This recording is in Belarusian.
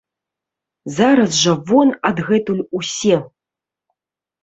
Зараз жа вон адгэтуль усе!